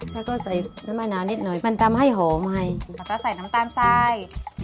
แล้วก็ใส่น้ำมะนาวนิดหน่อยมันทำให้หอมใหม่แล้วก็ใส่น้ำตาลทราย